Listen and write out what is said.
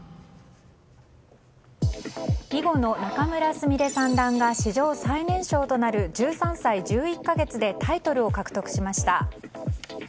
囲碁の仲邑菫三段が史上最年少となる１３歳１１か月でタイトルを獲得しました。